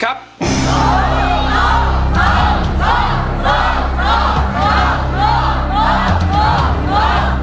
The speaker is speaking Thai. ก็คือร้องให้เหมือนเพลงเมื่อสักครู่นี้